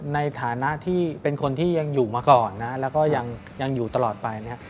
ในฐานะที่เป็นคนที่ยังอยู่มาก่อนนะแล้วก็ยังอยู่ตลอดไปนะครับ